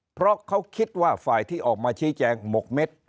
เพราะเขาคิดว่าฝ่ายที่ออกมาชี้แจงหมกเม็ด